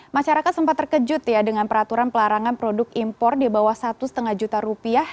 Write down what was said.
masyarakat sempat terkejut ya dengan peraturan pelarangan produk impor di bawah satu lima juta rupiah